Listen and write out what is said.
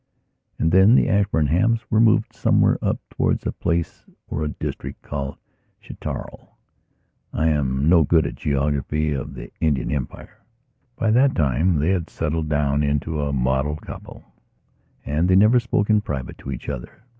And then the Ashburnhams were moved somewhere up towards a place or a district called Chitral. I am no good at geography of the Indian Empire. By that time they had settled down into a model couple and they never spoke in private to each other.